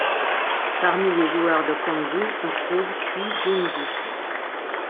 Parmi les joueurs de konghou on trouve Cui Junzhi.